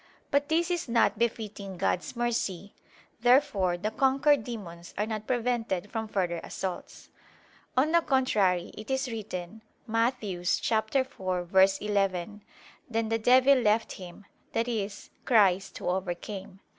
But this is not befitting God's mercy. Therefore the conquered demons are not prevented from further assaults. On the contrary, It is written (Matt. 4:11): "Then the devil left Him," i.e. Christ Who overcame.